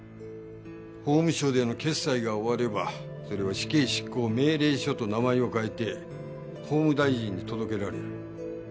法務省での決裁が終わればそれは死刑執行命令書と名前を変えて法務大臣に届けられる。